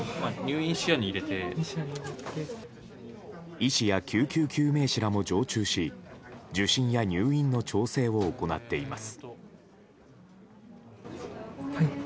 医師や救急救命士らも常駐し受診や入院の調整を行っています。